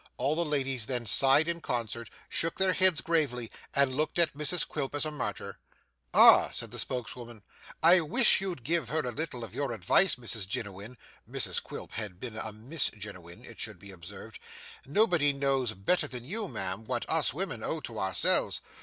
All the ladies then sighed in concert, shook their heads gravely, and looked at Mrs Quilp as a martyr. 'Ah!' said the spokeswoman, 'I wish you'd give her a little of your advice, Mrs Jiniwin' Mrs Quilp had been a Miss Jiniwin it should be observed 'nobody knows better than you, ma'am, what us women owe to ourselves.